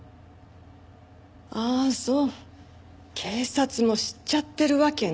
ああそう警察も知っちゃってるわけね。